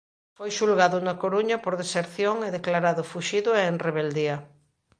Foi xulgado na Coruña por deserción e declarado fuxido e en rebeldía.